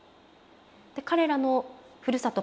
彼らのふるさと